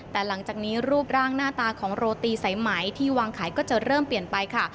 แต่หลังจากนี้รูปร่างหน้าตาของโรตีสายไหมที่วางขายก็จะเริ่มเปลี่ยนไปค่ะ